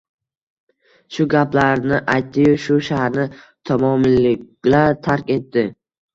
Shu gaplarni aytdi-yu, bu shaharni tamomila tark etdi